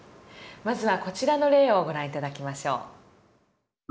まずはこちらの例をご覧頂きましょう。